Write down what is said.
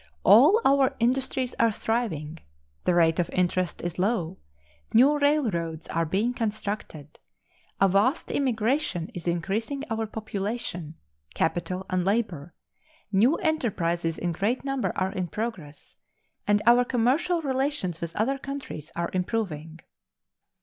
All our industries are thriving; the rate of interest is low; new railroads are being constructed; a vast immigration is increasing our population, capital, and labor; new enterprises in great number are in progress, and our commercial relations with other countries are improving.